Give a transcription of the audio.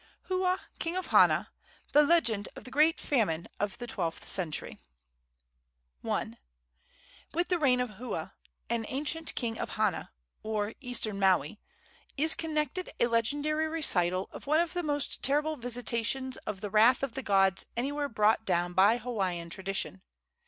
HUA, KING OF HANA. THE LEGEND OF THE GREAT FAMINE OF THE TWELFTH CENTURY. I. With the reign of Hua, an ancient king of Hana, or eastern Maui, is connected a legendary recital of one of the most terrible visitations of the wrath of the gods anywhere brought down by Hawaiian tradition.